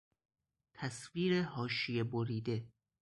تصویر حاشیه بریده